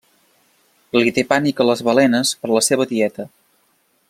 Li té pànic a les balenes per la seva dieta.